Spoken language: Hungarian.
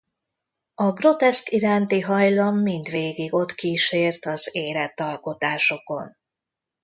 A groteszk iránti hajlam mindvégig ott kísért az érett alkotásokon.